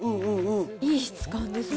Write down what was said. いい質感ですよね。